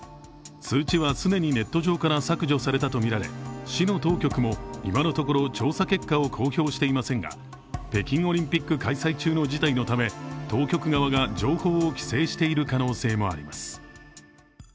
通知は既にネット上から削除されたとみられ市の当局も今のところ調査結果を公表していませんが北京オリンピック開催中の事態のため、当局側が情報を規制している可能性もあります。